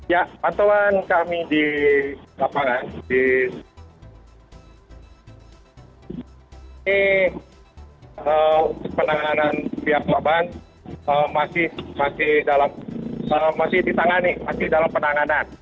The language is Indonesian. ya pantauan kami di lapangan